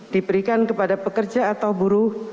diberikan kepada pekerja atau buruh